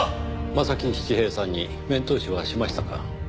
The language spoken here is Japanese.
柾七平さんに面通しはしましたか？